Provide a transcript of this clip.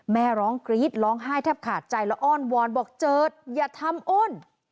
แม่ร้องกรี๊ดร้องไห้แทบขาดใจแล้วอ้อนวอนบอกเจิดอย่าทำอ้น